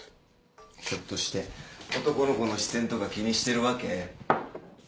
ひょっとして男の子の視線とか気にしてるわけ？